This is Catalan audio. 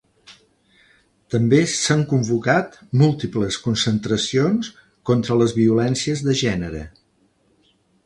També s’han convocat múltiples concentracions contra les violències de gènere.